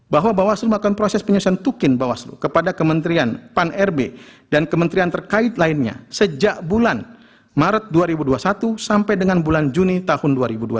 bahwa bawaslu melakukan proses penyelesaian tukin bawaslu kepada kementerian pan rb dan kementerian terkait lainnya sejak bulan maret dua ribu dua puluh satu sampai dengan bulan juni tahun dua ribu dua puluh